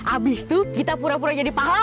abis itu kita pura pura jadi pahala